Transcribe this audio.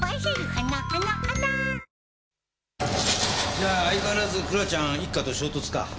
じゃあ相変わらず倉ちゃん一課と衝突か。